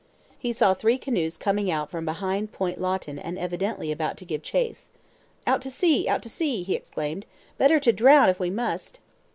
He saw three canoes coming out from behind Point Lottin and evidently about to give chase. "Out to sea! Out to sea!" he exclaimed. "Better to drown if we must!"